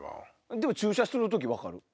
でも注射する時分かる。